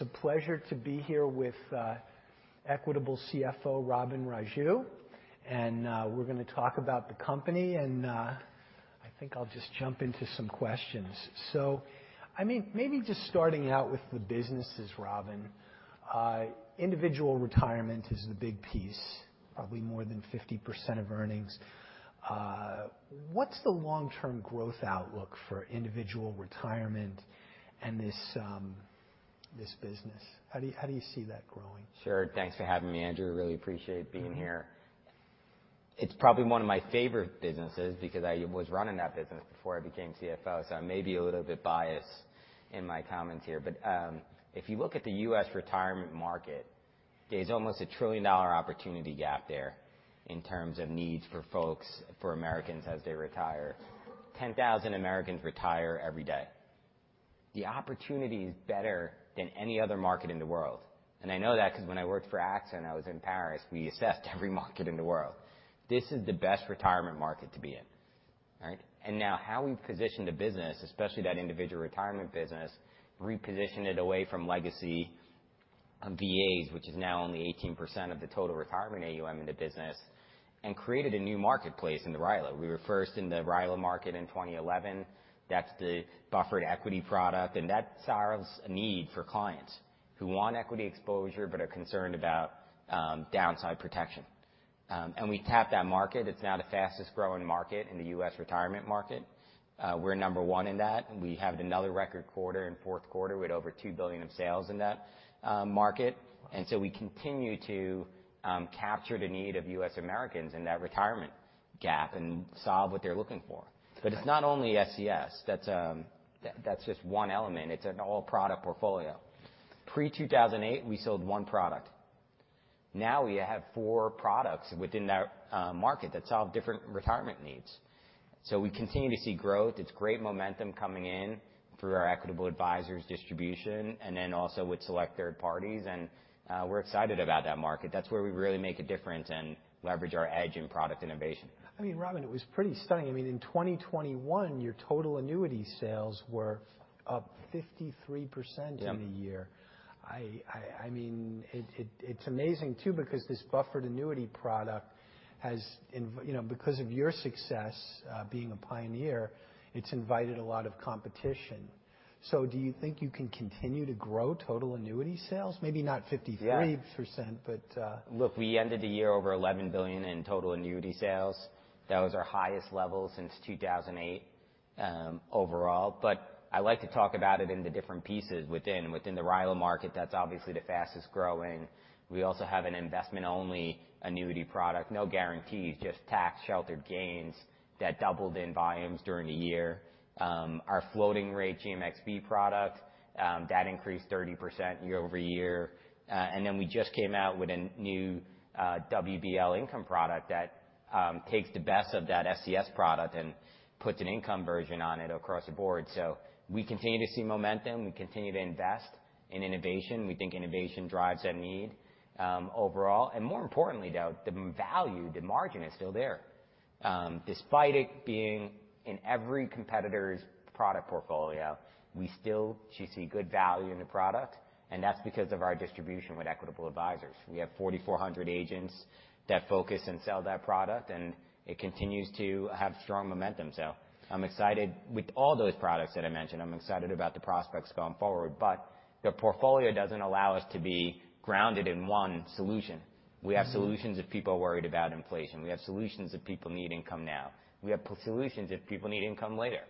It's a pleasure to be here with Equitable CFO, Robin Raju. We're going to talk about the company. I think I'll just jump into some questions. Maybe just starting out with the businesses, Robin. Individual retirement is the big piece, probably more than 50% of earnings. What's the long-term growth outlook for individual retirement and this business? How do you see that growing? Sure. Thanks for having me, Andrew. Really appreciate being here. It's probably one of my favorite businesses because I was running that business before I became CFO. I may be a little bit biased in my comments here. If you look at the U.S. retirement market, there's almost a $1 trillion opportunity gap there in terms of needs for folks, for Americans as they retire. 10,000 Americans retire every day. The opportunity is better than any other market in the world. I know that because when I worked for AXA and I was in Paris, we assessed every market in the world. This is the best retirement market to be in. Right? Now how we've positioned the business, especially that individual retirement business, repositioned it away from legacy VAs, which is now only 18% of the total retirement AUM in the business, created a new marketplace in the RILA. We were first in the RILA market in 2011. That's the buffered equity product. That serves a need for clients who want equity exposure but are concerned about downside protection. We tapped that market. It's now the fastest-growing market in the U.S. retirement market. We're number 1 in that. We had another record quarter in fourth quarter with over $2 billion of sales in that market. We continue to capture the need of U.S. Americans in that retirement gap and solve what they're looking for. It's not only SCS. That's just one element. It's an all-product portfolio. Pre-2008, we sold one product. Now we have four products within that market that solve different retirement needs. We continue to see growth. It's great momentum coming in through our Equitable Advisors distribution and also with select third parties. We're excited about that market. That's where we really make a difference and leverage our edge in product innovation. Robin, it was pretty stunning. In 2021, your total annuity sales were up 53%- Yeah In a year. It's amazing too because this buffered annuity product has, because of your success being a pioneer, it's invited a lot of competition. Do you think you can continue to grow total annuity sales? Maybe not 53%- Yeah but- Look, we ended the year over $11 billion in total annuity sales. That was our highest level since 2008 overall. I like to talk about it in the different pieces within. Within the RILA market, that's obviously the fastest-growing. We also have an investment-only annuity product. No guarantees, just tax-sheltered gains that doubled in volumes during the year. Our floating rate GMXB product, that increased 30% year-over-year. We just came out with a new VUL income product that takes the best of that SCS product and puts an income version on it across the board. We continue to see momentum. We continue to invest in innovation. We think innovation drives that need overall. More importantly, though, the value, the margin is still there. Despite it being in every competitor's product portfolio, we still see good value in the product, and that's because of our distribution with Equitable Advisors. We have 4,400 agents that focus and sell that product, and it continues to have strong momentum. I'm excited with all those products that I mentioned. I'm excited about the prospects going forward. The portfolio doesn't allow us to be grounded in one solution. We have solutions if people are worried about inflation. We have solutions if people need income now. We have solutions if people need income later.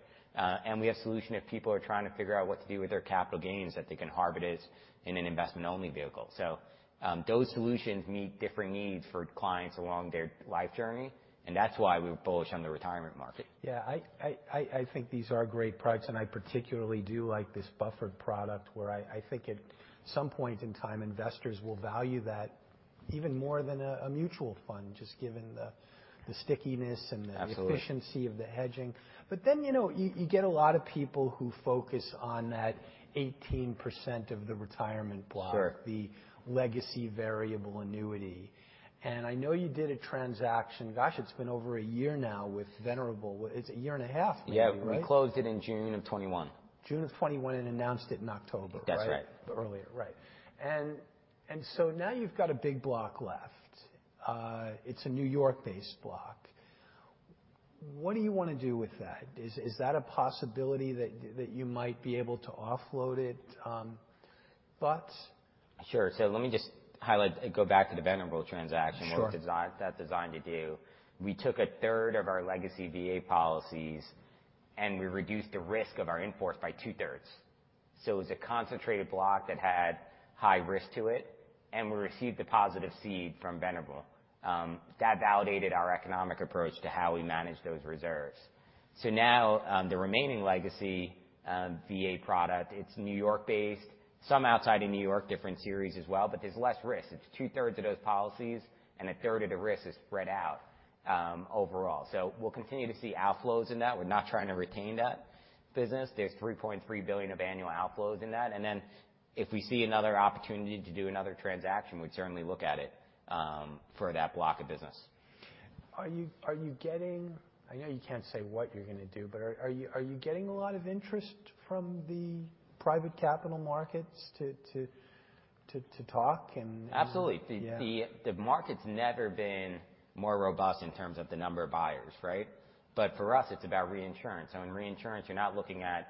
We have solution if people are trying to figure out what to do with their capital gains that they can harvest in an investment-only vehicle. Those solutions meet different needs for clients along their life journey, and that's why we're bullish on the retirement market. I think these are great products. I particularly do like this buffered product where I think at some point in time, investors will value that even more than a mutual fund, just given the stickiness and the Absolutely efficiency of the hedging. You get a lot of people who focus on that 18% of the retirement block Sure the legacy variable annuity. I know you did a transaction, gosh, it's been over a year now, with Venerable. It's a year and a half maybe, right? Yeah. We closed it in June of 2021. June of 2021 announced it in October, right? That's right. Earlier, right. Now you've got a big block left. It's a N.Y.-based block. What do you want to do with that? Is that a possibility that you might be able to offload it? Sure. Let me just go back to the Venerable transaction. Sure What that's designed to do. We took a third of our legacy VA policies, and we reduced the risk of our in-force by two-thirds. It was a concentrated block that had high risk to it, and we received a positive cede from Venerable. That validated our economic approach to how we manage those reserves. Now, the remaining legacy VA product, it's New York based, some outside of New York, different series as well, but there's less risk. It's two-thirds of those policies and a third of the risk is spread out overall. We'll continue to see outflows in that. We're not trying to retain that business. There's $3.3 billion of annual outflows in that. If we see another opportunity to do another transaction, we'd certainly look at it for that block of business. Are you getting I know you can't say what you're going to do, but are you getting a lot of interest from the private capital markets to talk? Absolutely. Yeah. The market's never been more robust in terms of the number of buyers, right? For us, it's about reinsurance. In reinsurance, you're not looking at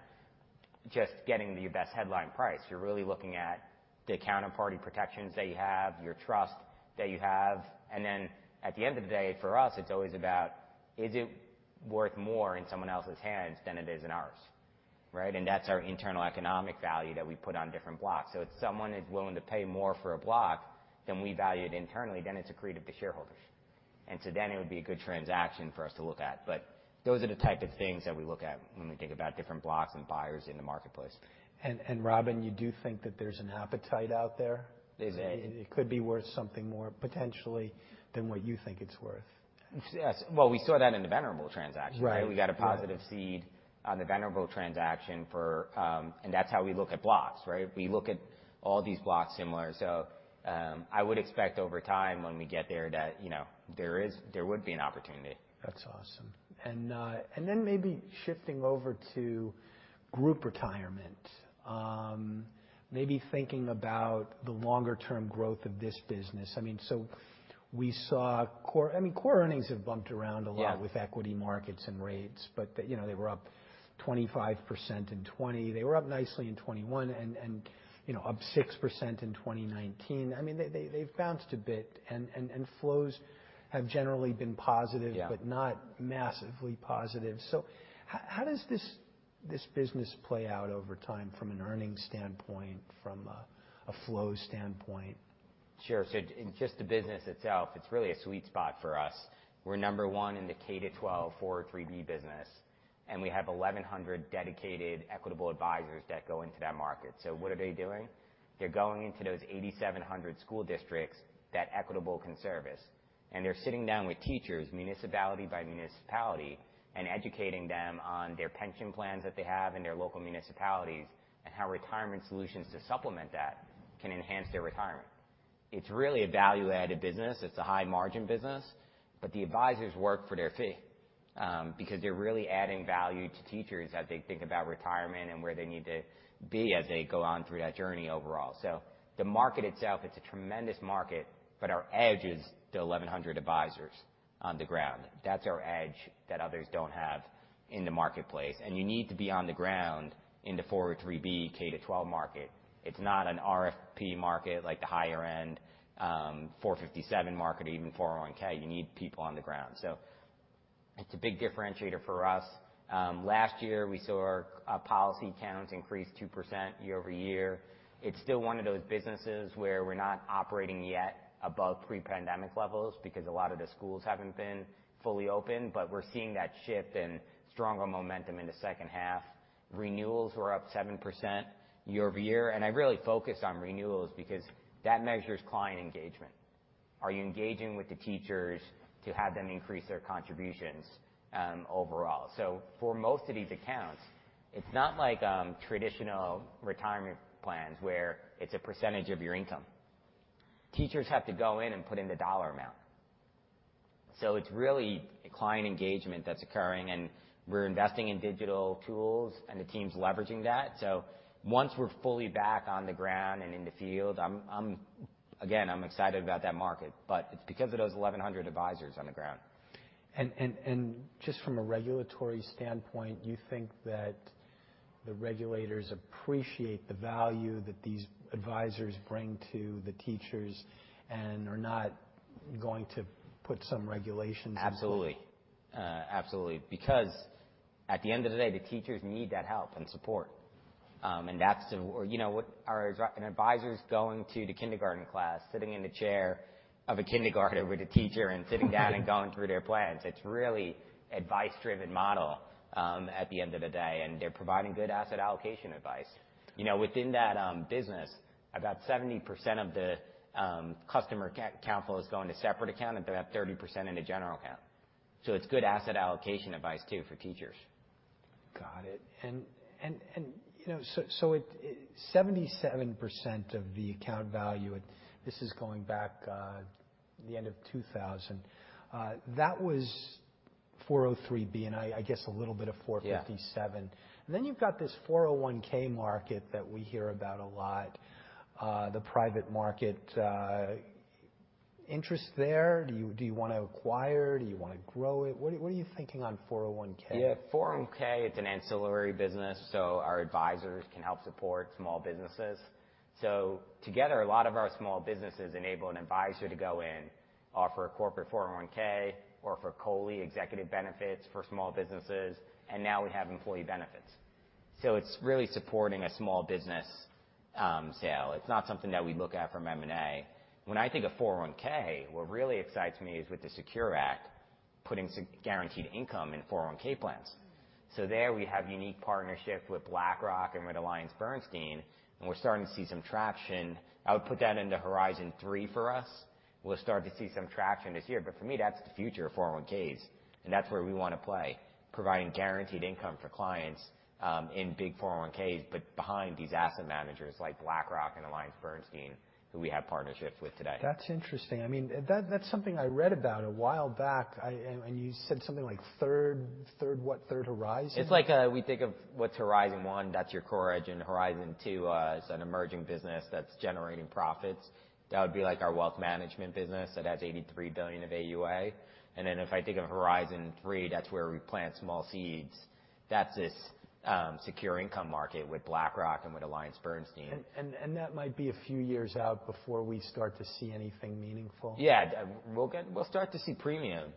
just getting your best headline price. You're really looking at the counterparty protections that you have, your trust that you have, and then at the end of the day, for us, it's always about is it worth more in someone else's hands than it is in ours, right? That's our internal economic value that we put on different blocks. If someone is willing to pay more for a block than we value it internally, then it's accretive to shareholders. It would be a good transaction for us to look at. Those are the type of things that we look at when we think about different blocks and buyers in the marketplace. Robin, you do think that there's an appetite out there? There's a- It could be worth something more potentially than what you think it's worth. Yes. Well, we saw that in the Venerable transaction, right? Right. We got a positive cede on the Venerable transaction for. That's how we look at blocks, right? We look at all these blocks similar. I would expect over time when we get there that there would be an opportunity. That's awesome. Maybe shifting over to group retirement. Maybe thinking about the longer term growth of this business. We saw core earnings have bumped around a lot Yeah with equity markets and rates. They were up 25% in 2020. They were up nicely in 2021, up 6% in 2019. I mean, they've bounced a bit, and flows have generally been positive Yeah not massively positive. How does this business play out over time from an earnings standpoint, from a flow standpoint? Sure. Just the business itself, it's really a sweet spot for us. We're number one in the K-12 403(b) business, and we have 1,100 dedicated Equitable Advisors that go into that market. What are they doing? They're going into those 8,700 school districts that Equitable can service, and they're sitting down with teachers, municipality by municipality, and educating them on their pension plans that they have in their local municipalities, and how retirement solutions to supplement that can enhance their retirement. It's really a value-added business. It's a high-margin business. The Advisors work for their fee, because they're really adding value to teachers as they think about retirement and where they need to be as they go on through that journey overall. The market itself, it's a tremendous market, but our edge is the 1,100 Advisors on the ground. That's our edge that others don't have in the marketplace. You need to be on the ground in the 403(b) K-12 market. It's not an RFP market like the higher end 457(b) market or even 401(k). You need people on the ground. It's a big differentiator for us. Last year, we saw our policy counts increase 2% year-over-year. It's still one of those businesses where we're not operating yet above pre-pandemic levels, because a lot of the schools haven't been fully open. We're seeing that shift and stronger momentum in the second half. Renewals were up 7% year-over-year. I really focus on renewals because that measures client engagement. Are you engaging with the teachers to have them increase their contributions overall? For most of these accounts, it's not like traditional retirement plans where it's a percentage of your income. Teachers have to go in and put in the dollar amount. It's really client engagement that's occurring, and we're investing in digital tools, and the team's leveraging that. Once we're fully back on the ground and in the field, again, I'm excited about that market, but it's because of those 1,100 advisors on the ground. Just from a regulatory standpoint, you think that the regulators appreciate the value that these advisors bring to the teachers and are not going to put some regulations- Absolutely. At the end of the day, the teachers need that help and support. An advisor's going to the kindergarten class, sitting in the chair of a kindergartner with a teacher and sitting down and going through their plans. It's really advice-driven model, at the end of the day. They're providing good asset allocation advice. Within that business, about 70% of the Customer count is going to separate account, about 30% in a general account. It's good asset allocation advice too for teachers. Got it. 77% of the account value, this is going back, the end of 2000, that was 403, and I guess a little bit of 457. Yeah. You've got this 401 market that we hear about a lot, the private market. Interest there? Do you want to acquire? Do you want to grow it? What are you thinking on 401? Yeah. 401, it's an ancillary business, our advisors can help support small businesses. Together, a lot of our small businesses enable an advisor to go in, offer a corporate 401, offer COLI executive benefits for small businesses, and now we have employee benefits. It's really supporting a small business sale. It's not something that we look at from M&A. When I think of 401, what really excites me is with the SECURE Act putting guaranteed income in 401 plans. There we have unique partnership with BlackRock and with AllianceBernstein, and we're starting to see some traction. I would put that into horizon three for us. We'll start to see some traction this year, for me, that's the future of 401s, that's where we want to play, providing guaranteed income for clients, in big 401s, behind these asset managers like BlackRock and AllianceBernstein, who we have partnerships with today. That's interesting. That's something I read about a while back, and you said something like third what? Third horizon? It's like we think of what's horizon 1, that's your core edge, and horizon 2 as an emerging business that's generating profits. That would be like our wealth management business that has $83 billion of AUA. If I think of horizon 3, that's where we plant small seeds. That's this secure income market with BlackRock and with AllianceBernstein. That might be a few years out before we start to see anything meaningful. Yeah. We'll start to see premium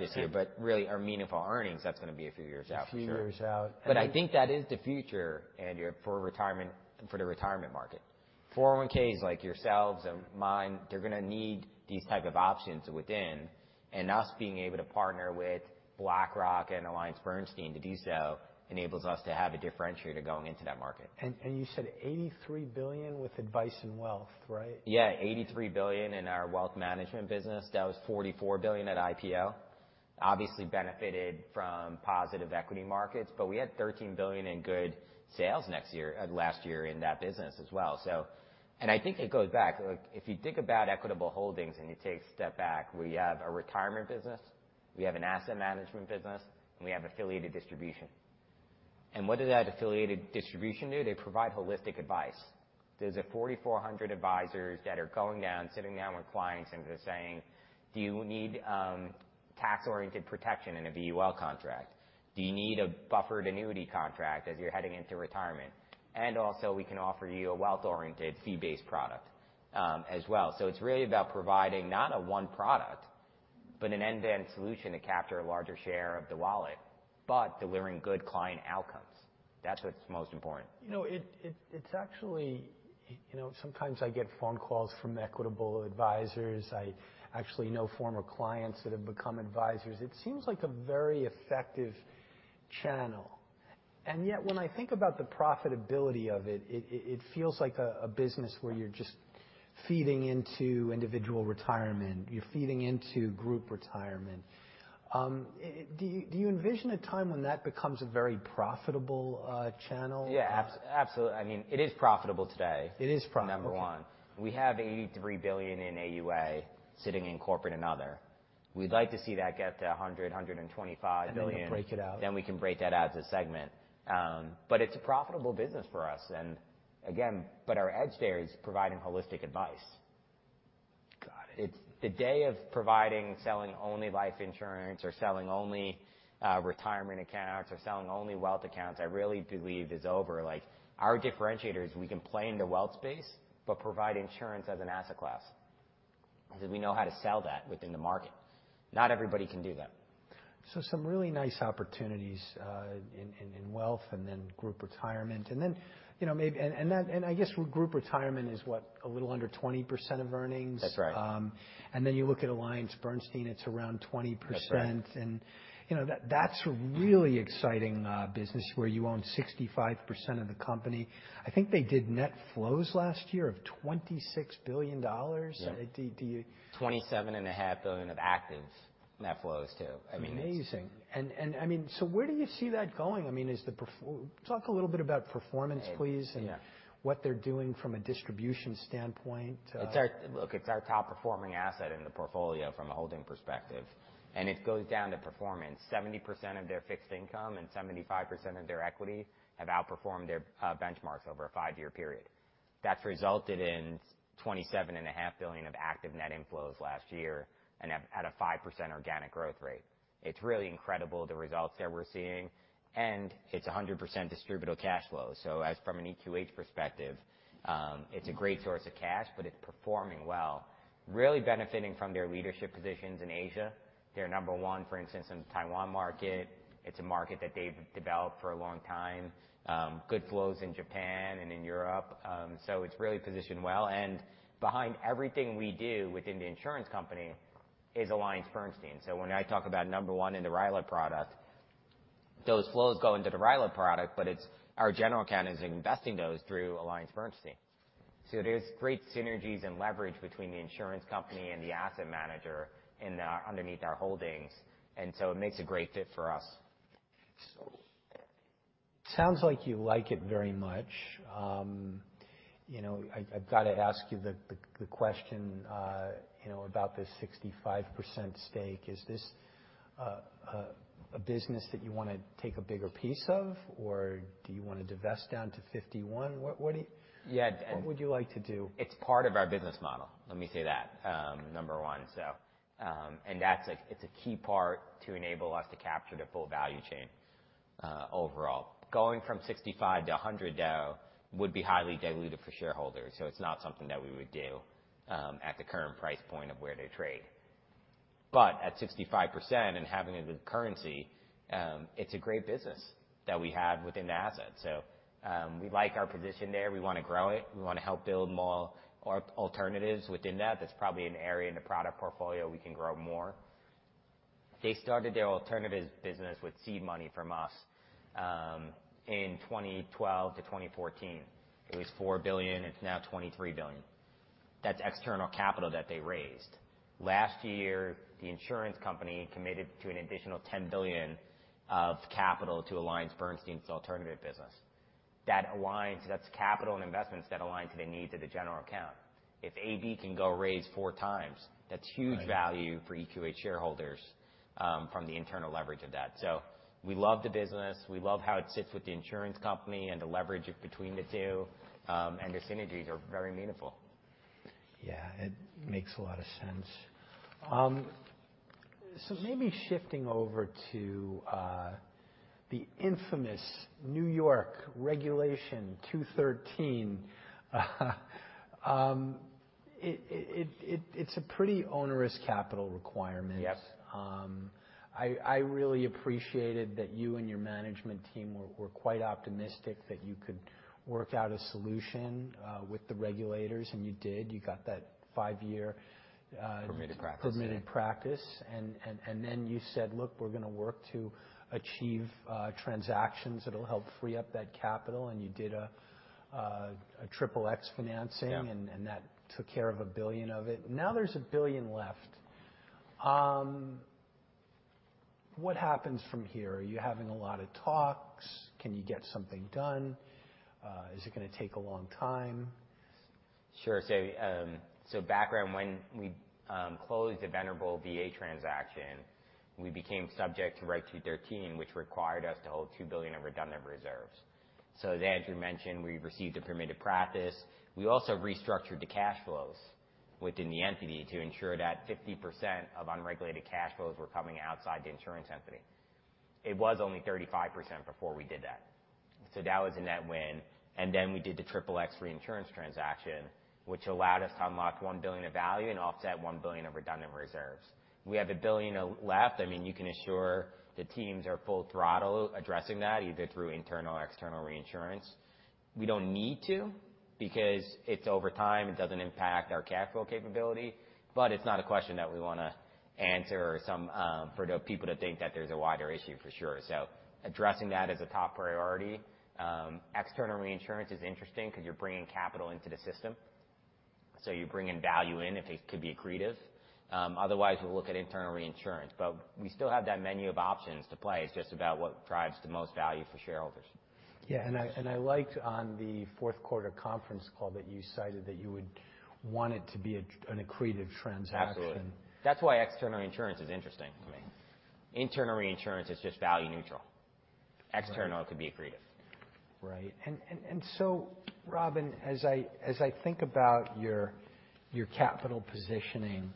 this year. Okay. Really our meaningful earnings, that's going to be a few years out, for sure. A few years out. I think that is the future, Andrew, for the retirement market. 401(k)s like yourselves and mine, they're going to need these type of options within. Us being able to partner with BlackRock and AllianceBernstein to do so enables us to have a differentiator to going into that market. You said $83 billion with advice and wealth, right? Yeah. $83 billion in our wealth management business. That was $44 billion at IPO. Obviously benefited from positive equity markets, but we had $13 billion in good sales last year in that business as well. I think it goes back. If you think about Equitable Holdings and you take a step back, we have a retirement business, we have an asset management business, and we have affiliated distribution. What does that affiliated distribution do? They provide holistic advice. There's 4,400 advisors that are going down, sitting down with clients, and they're saying, "Do you need tax-oriented protection in a VUL contract? Do you need a buffered annuity contract as you're heading into retirement? Also, we can offer you a wealth-oriented fee-based product as well." It's really about providing not a one product, but an end-to-end solution to capture a larger share of the wallet, but delivering good client outcomes. That's what's most important. Sometimes I get phone calls from Equitable Advisors. I actually know former clients that have become advisors. It seems like a very effective channel. Yet, when I think about the profitability of it feels like a business where you're just feeding into individual retirement. You're feeding into group retirement. Do you envision a time when that becomes a very profitable channel? Yeah. Absolutely. It is profitable today. It is profitable. Number one. We have $83 billion in AUA sitting in corporate and other. We'd like to see that get to $100 billion-$125 billion. You'll break it out. We can break that out as a segment. It's a profitable business for us. again, but our edge there is providing holistic advice. Got it. The day of providing selling only life insurance or selling only retirement accounts or selling only wealth accounts, I really believe is over. Our differentiator is we can play in the wealth space but provide insurance as an asset class, because we know how to sell that within the market. Not everybody can do that. Some really nice opportunities in wealth and then group retirement. I guess group retirement is what? A little under 20% of earnings. That's right. You look at AllianceBernstein, it's around 20%. That's right. That's a really exciting business where you own 65% of the company. I think they did net flows last year of $26 billion. Yeah. Do you- $27.5 billion of active net flows, too. I mean, it's Amazing. Where do you see that going? Talk a little bit about performance, please. Yeah. What they're doing from a distribution standpoint. Look, it's our top-performing asset in the portfolio from a holding perspective, and it goes down to performance. 70% of their fixed income and 75% of their equity have outperformed their benchmarks over a five-year period. That's resulted in $27.5 billion of active net inflows last year and at a 5% organic growth rate. It's really incredible the results that we're seeing, and it's 100% distributable cash flow. As from an EQH perspective, it's a great source of cash, but it's performing well, really benefiting from their leadership positions in Asia. They're number one, for instance, in the Taiwan market. It's a market that they've developed for a long time. Good flows in Japan and in Europe. It's really positioned well, and behind everything we do within the insurance company is AllianceBernstein. When I talk about number one in the RILA product, those flows go into the RILA product, but our general account is investing those through AllianceBernstein. There's great synergies and leverage between the insurance company and the asset manager underneath our holdings, it makes a great fit for us. Sounds like you like it very much. I've got to ask you the question about this 65% stake. Is this a business that you want to take a bigger piece of, or do you want to divest down to 51%? What would you- Yeah. What would you like to do? It's part of our business model. Let me say that, number 1. It's a key part to enable us to capture the full value chain overall. Going from 65% to 100%, though, would be highly dilutive for shareholders, it's not something that we would do at the current price point of where they trade. At 65% and having it with currency, it's a great business that we have within the asset. We like our position there. We want to grow it. We want to help build more alternatives within that. That's probably an area in the product portfolio we can grow more. They started their alternatives business with seed money from us in 2012 to 2014. It was $4 billion. It's now $23 billion. That's external capital that they raised. Last year, the insurance company committed to an additional $10 billion of capital to AllianceBernstein's alternative business. That's capital and investments that align to the needs of the general account. If AB can go raise four times, that's huge Right value for EQH shareholders from the internal leverage of that. We love the business. We love how it sits with the insurance company, and the leverage between the two, and the synergies are very meaningful. Yeah. It makes a lot of sense. Maybe shifting over to the infamous New York Regulation 213. It's a pretty onerous capital requirement. Yes. I really appreciated that you and your management team were quite optimistic that you could work out a solution with the regulators, and you did. You got that five-year Permitted practice Permitted practice, then you said, "Look, we're going to work to achieve transactions that'll help free up that capital." You did a Regulation XXX financing. Yeah. That took care of $1 billion of it. Now there's $1 billion left. What happens from here? Are you having a lot of talks? Can you get something done? Is it going to take a long time? Sure. Background, when we closed the Venerable VA transaction, we became subject to Reg 213, which required us to hold $2 billion of redundant reserves. As you mentioned, we received a permitted practice. We also restructured the cash flows within the entity to ensure that 50% of unregulated cash flows were coming outside the insurance entity. It was only 35% before we did that. That was a net win. Then we did the Regulation XXX reinsurance transaction, which allowed us to unlock $1 billion of value and offset $1 billion of redundant reserves. We have $1 billion left. You can assure the teams are full throttle addressing that, either through internal or external reinsurance. We don't need to because it's over time, it doesn't impact our cash flow capability, but it's not a question that we want to answer for the people to think that there's a wider issue, for sure. Addressing that is a top priority. External reinsurance is interesting because you're bringing capital into the system, so you're bringing value in if it could be accretive. Otherwise, we'll look at internal reinsurance. We still have that menu of options to play. It's just about what drives the most value for shareholders. Yeah. I liked on the fourth quarter conference call that you cited that you would want it to be an accretive transaction. Absolutely. That's why external reinsurance is interesting to me. Internal reinsurance is just value neutral. Right. External could be accretive. Right. Robin, as I think about your capital positioning,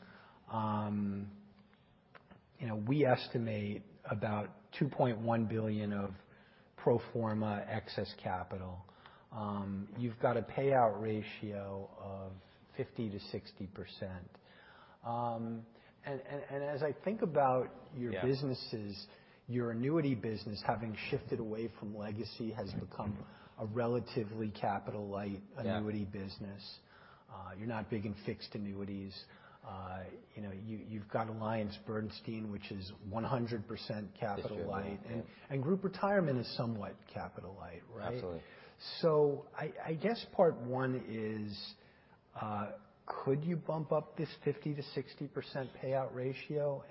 we estimate about $2.1 billion of pro forma excess capital. You've got a payout ratio of 50%-60%. As I think about- Yeah your businesses, your annuity business having shifted away from legacy has become a relatively capital-light- Yeah annuity business. You're not big in fixed annuities. You've got AllianceBernstein, which is 100% capital-light. Is capital-light, yeah. Group Retirement is somewhat capital light, right? Absolutely. I guess part 1 is, could you bump up this 50%-60% payout ratio?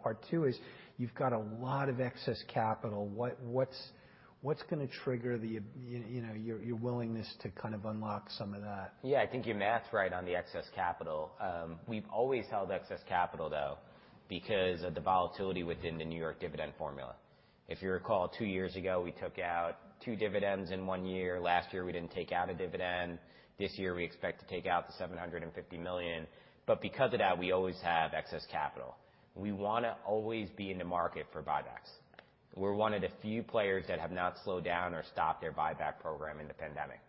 Part 2 is, you've got a lot of excess capital. What's going to trigger your willingness to unlock some of that? Yeah. I think your math's right on the excess capital. We've always held excess capital, though, because of the volatility within the New York dividend formula. If you recall, two years ago, we took out two dividends in one year. Last year, we didn't take out a dividend. This year, we expect to take out the $750 million. Because of that, we always have excess capital. We want to always be in the market for buybacks. We're one of the few players that have not slowed down or stopped their buyback program in the pandemic,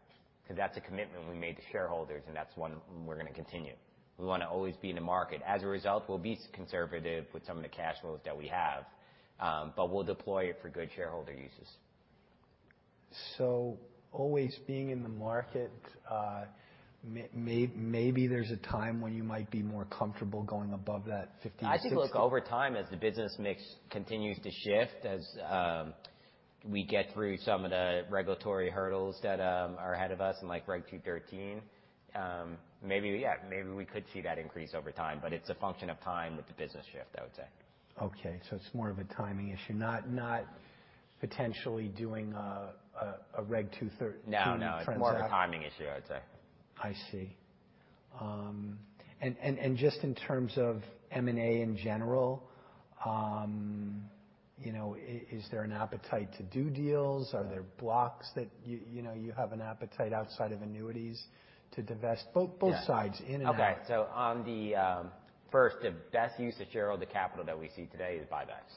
because that's a commitment we made to shareholders, and that's one we're going to continue. We want to always be in the market. As a result, we'll be conservative with some of the cash flows that we have. We'll deploy it for good shareholder uses. Always being in the market, maybe there's a time when you might be more comfortable going above that 50%-60%. I think, look, over time, as the business mix continues to shift, as we get through some of the regulatory hurdles that are ahead of us in Reg 213, maybe we could see that increase over time. It's a function of time with the business shift, I would say. Okay. It's more of a timing issue, not potentially doing a Reg 213 transaction. No. It's more of a timing issue, I'd say. I see. Just in terms of M&A in general, is there an appetite to do deals? Are there blocks that you have an appetite outside of annuities to divest? Both sides, in and out. Okay. First, the best use of shareholder capital that we see today is buybacks.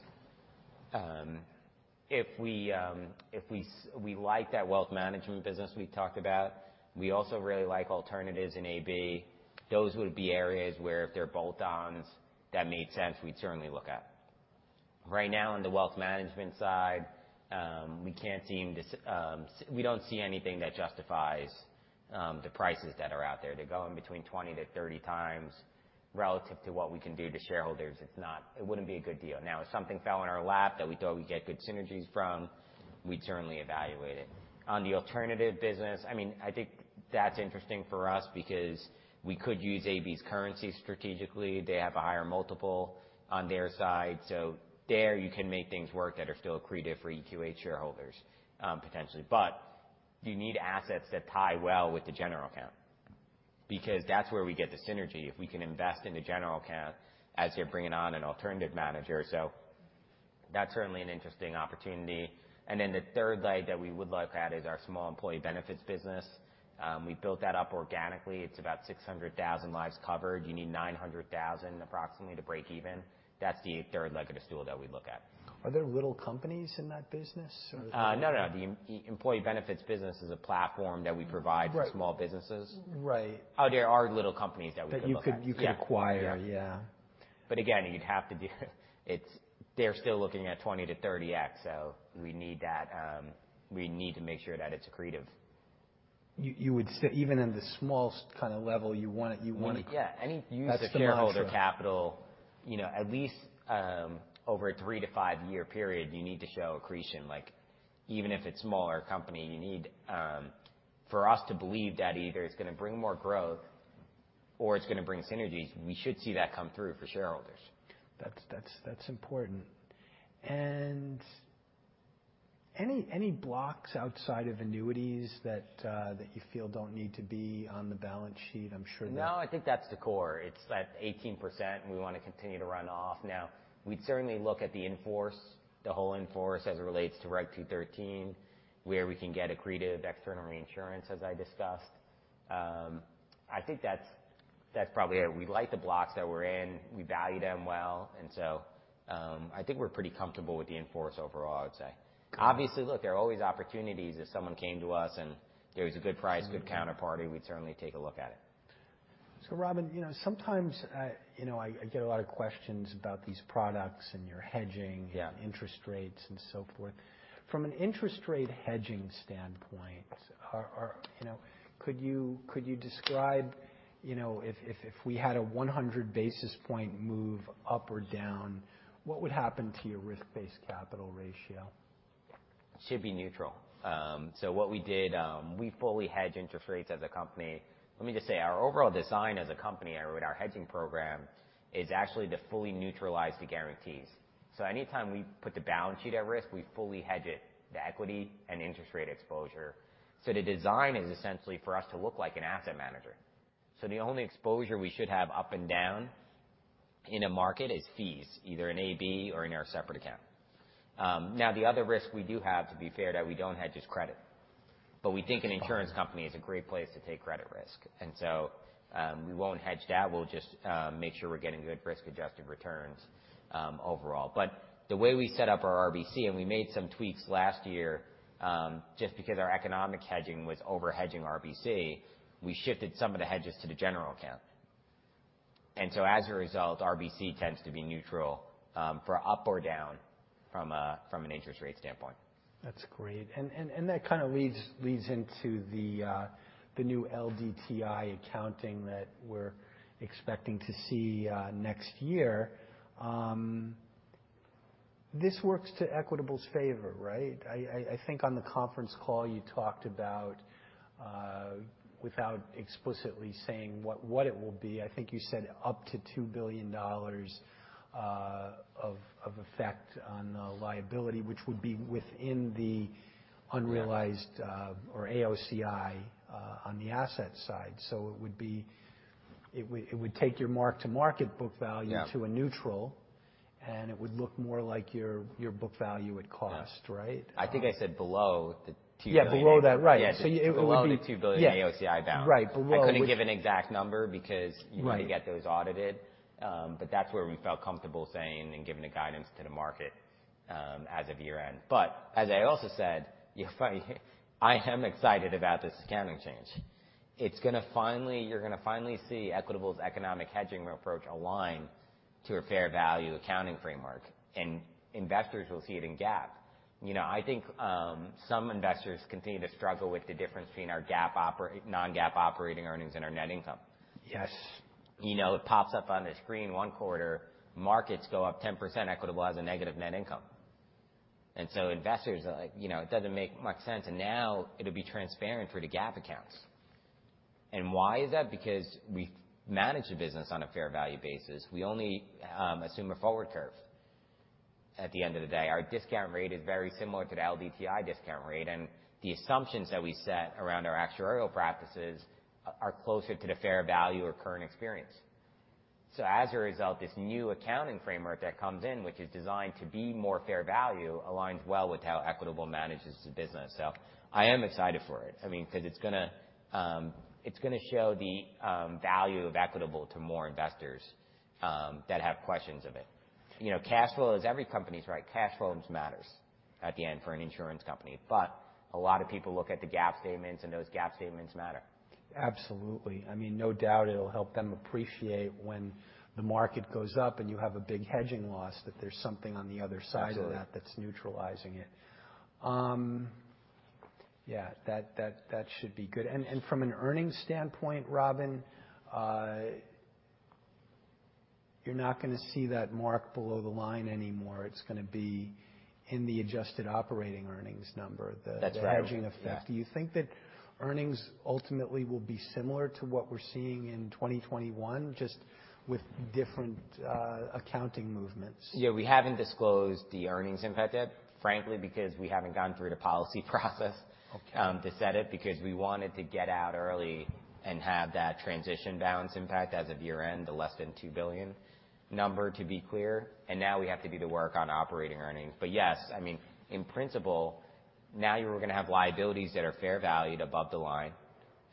We like that wealth management business we talked about. We also really like alternatives in AB. Those would be areas where if they're bolt-ons that made sense, we'd certainly look at. Right now in the wealth management side, we don't see anything that justifies the prices that are out there, they're going between 20-30 times relative to what we can do to shareholders. It wouldn't be a good deal. Now, if something fell in our lap that we thought we'd get good synergies from, we'd certainly evaluate it. The alternative business, I think that's interesting for us because we could use AB's currency strategically. They have a higher multiple on their side. There you can make things work that are still accretive for EQH shareholders, potentially. You need assets that tie well with the general account, because that's where we get the synergy, if we can invest in the general account as you're bringing on an alternative manager. That's certainly an interesting opportunity. The third leg that we would look at is our small employee benefits business. We built that up organically. It's about 600,000 lives covered. You need 900,000 approximately to break even. That's the third leg of the stool that we'd look at. Are there little companies in that business or- No. The employee benefits business is a platform that we provide- Right for small businesses. Right. There are little companies that we could look at. That you could acquire. Yeah. Yeah. Again, they're still looking at 20 to 30x, so we need to make sure that it's accretive. Even in the smallest kind of level, you want it. Yeah. That's the mantra of shareholder capital, at least over a three to five-year period, you need to show accretion. Even if it's a smaller company, for us to believe that either it's going to bring more growth or it's going to bring synergies, we should see that come through for shareholders. That's important. Any blocks outside of annuities that you feel don't need to be on the balance sheet? No, I think that's the core. It's at 18%, and we want to continue to run off. We'd certainly look at the in-force, the whole in-force as it relates to Regulation 213, where we can get accretive external reinsurance, as I discussed. I think that's probably it. We like the blocks that we're in. We value them well. I think we're pretty comfortable with the in-force overall, I would say. Obviously, look, there are always opportunities. If someone came to us and there was a good price, good counterparty, we'd certainly take a look at it. Robin, sometimes I get a lot of questions about these products and your hedging. Yeah Interest rates and so forth. From an interest rate hedging standpoint, could you describe if we had a 100 basis point move up or down, what would happen to your risk-based capital ratio? Should be neutral. What we did, we fully hedge interest rates as a company. Let me just say, our overall design as a company with our hedging program is actually to fully neutralize the guarantees. Anytime we put the balance sheet at risk, we fully hedge it, the equity and interest rate exposure. The design is essentially for us to look like an asset manager. The only exposure we should have up and down in a market is fees, either in AB or in our separate account. The other risk we do have, to be fair, that we don't hedge is credit. We think an insurance company is a great place to take credit risk. We won't hedge that. We'll just make sure we're getting good risk-adjusted returns overall. The way we set up our RBC, we made some tweaks last year, just because our economic hedging was over-hedging RBC, we shifted some of the hedges to the general account. As a result, RBC tends to be neutral for up or down from an interest rate standpoint. That's great. That kind of leads into the new LDTI accounting that we're expecting to see next year. This works to Equitable's favor, right? I think on the conference call you talked about, without explicitly saying what it will be, I think you said up to $2 billion of effect on the liability, which would be within the unrealized- Yeah or AOCI on the asset side. It would take your mark-to-market book value- Yeah to a neutral, it would look more like your book value at cost, right? I think I said below the $2 billion. Yeah, below that, right. It would be. Below the $2 billion AOCI balance. Right, below it. I couldn't give an exact number because you want to get those audited. That's where we felt comfortable saying and giving the guidance to the market as of year-end. As I also said, I am excited about this accounting change. You're going to finally see Equitable's economic hedging approach align to a fair value accounting framework, and investors will see it in GAAP. I think some investors continue to struggle with the difference between our non-GAAP operating earnings and our net income. Yes. It pops up on their screen in one quarter. Markets go up 10%, Equitable has a negative net income. Investors are like, "It doesn't make much sense." Now it'll be transparent for the GAAP accounts. Why is that? Because we manage the business on a fair value basis. We only assume a forward curve at the end of the day. Our discount rate is very similar to the LDTI discount rate, and the assumptions that we set around our actuarial practices are closer to the fair value or current experience. As a result, this new accounting framework that comes in, which is designed to be more fair value, aligns well with how Equitable manages the business. I am excited for it, because it's going to show the value of Equitable to more investors that have questions of it. Cash flow is every company's right. Cash flow matters at the end for an insurance company. A lot of people look at the GAAP statements, and those GAAP statements matter. Absolutely. No doubt it'll help them appreciate when the market goes up and you have a big hedging loss, that there's something on the other side- Absolutely of that that's neutralizing it. Yeah, that should be good. From an earnings standpoint, Robin- You're not going to see that mark below the line anymore. It's going to be in the adjusted operating earnings number, the- That's right. Hedging effect. Do you think that earnings ultimately will be similar to what we're seeing in 2021, just with different accounting movements? Yeah. We haven't disclosed the earnings impact yet, frankly, because we haven't gone through the policy process. Okay to set it, because we wanted to get out early and have that transition balance impact as of year-end, the less than $2 billion number, to be clear, and now we have to do the work on operating earnings. Yes, in principle, now we're going to have liabilities that are fair valued above the line,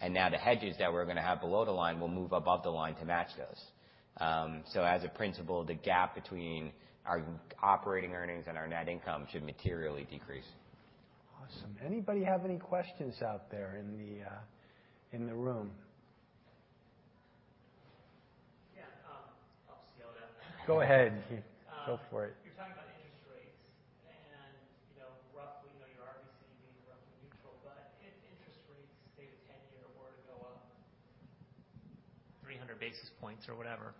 and now the hedges that we're going to have below the line will move above the line to match those. As a principle, the gap between our operating earnings and our net income should materially decrease. Awesome. Anybody have any questions out there in the room? Yeah. I'll steal that. Go ahead. Go for it. You're talking about interest rates, and roughly, your RBC being roughly neutral, but if interest rates, say, the 10-year were to go up 300 basis points or whatever,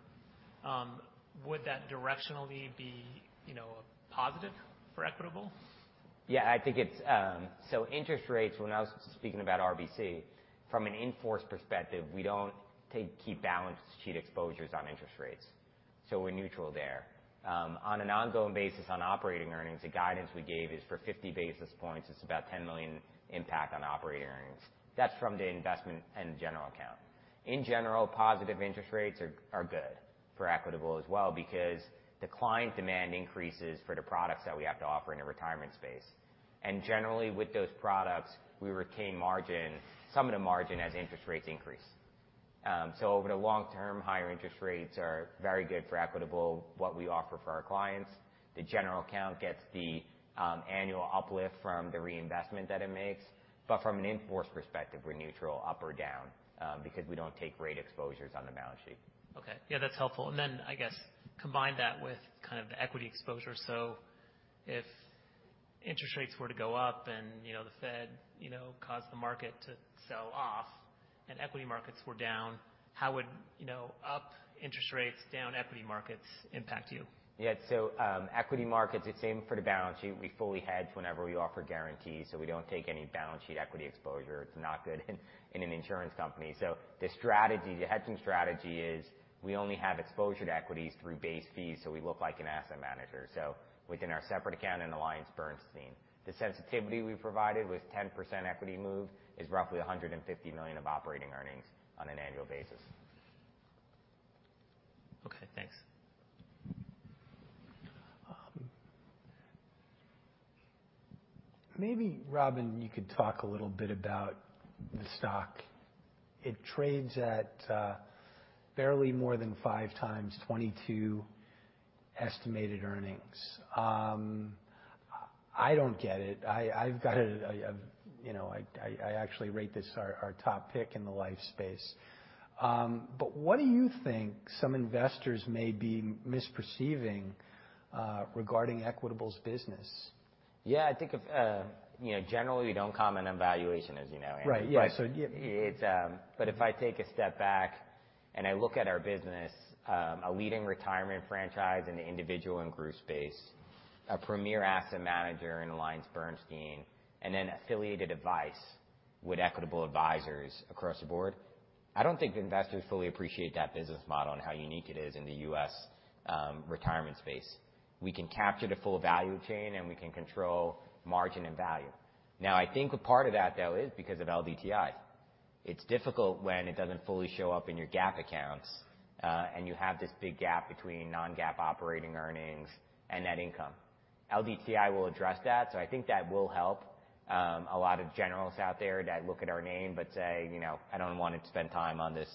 would that directionally be a positive for Equitable? Yeah. Interest rates, when I was speaking about RBC, from an in-force perspective, we don't take key balance sheet exposures on interest rates. We're neutral there. On an ongoing basis on operating earnings, the guidance we gave is for 50 basis points, it's about $10 million impact on operating earnings. That's from the investment and the general account. In general, positive interest rates are good for Equitable as well because the client demand increases for the products that we have to offer in the retirement space. Generally, with those products, we retain some of the margin as interest rates increase. Over the long term, higher interest rates are very good for Equitable, what we offer for our clients. The general account gets the annual uplift from the reinvestment that it makes, but from an in-force perspective, we're neutral up or down because we don't take rate exposures on the balance sheet. Okay. Yeah, that's helpful. I guess, combine that with the equity exposure. If interest rates were to go up and the Fed caused the market to sell off and equity markets were down, how would up interest rates, down equity markets impact you? Yeah. Equity markets, it's same for the balance sheet. We fully hedge whenever we offer guarantees, we don't take any balance sheet equity exposure. It's not good in an insurance company. The hedging strategy is we only have exposure to equities through base fees, we look like an asset manager. Within our separate account in AllianceBernstein. The sensitivity we provided with 10% equity move is roughly $150 million of operating earnings on an annual basis. Okay, thanks. Maybe, Robin, you could talk a little bit about the stock. It trades at barely more than 5x 2022 estimated earnings. I don't get it. I actually rate this our top pick in the life space. What do you think some investors may be misperceiving regarding Equitable's business? Yeah. I think, generally, we don't comment on valuation, as you know, Andrew. Right. Yeah. If I take a step back and I look at our business, a leading retirement franchise in the individual and group space, a premier asset manager in AllianceBernstein, and an affiliated advice with Equitable Advisors across the board, I don't think investors fully appreciate that business model and how unique it is in the U.S. retirement space. We can capture the full value chain, and we can control margin and value. I think a part of that, though, is because of LDTI. It's difficult when it doesn't fully show up in your GAAP accounts, and you have this big gap between non-GAAP operating earnings and net income. LDTI will address that, I think that will help a lot of generalists out there that look at our name but say, "I don't want to spend time on this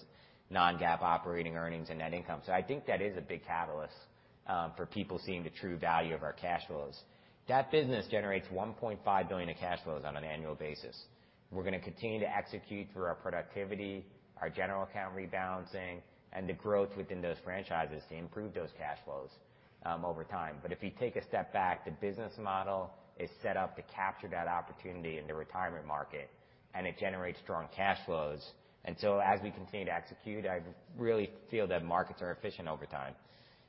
non-GAAP operating earnings and net income." I think that is a big catalyst for people seeing the true value of our cash flows. That business generates $1.5 billion of cash flows on an annual basis. We're going to continue to execute through our productivity, our general account rebalancing, and the growth within those franchises to improve those cash flows over time. If you take a step back, the business model is set up to capture that opportunity in the retirement market, and it generates strong cash flows. As we continue to execute, I really feel that markets are efficient over time.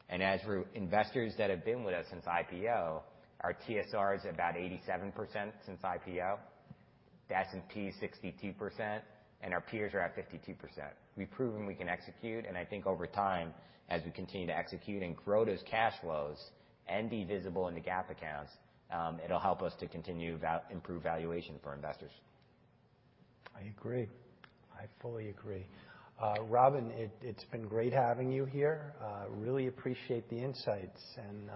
As for investors that have been with us since IPO, our TSR is about 87% since IPO. The S&P is 62%, and our peers are at 52%. We've proven we can execute, and I think over time, as we continue to execute and grow those cash flows and be visible in the GAAP accounts, it'll help us to continue improve valuation for investors. I agree. I fully agree. Robin, it's been great having you here. Really appreciate the insights, and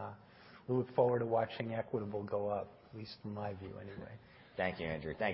we look forward to watching Equitable go up, at least from my view, anyway. Thank you, Andrew. Thank you.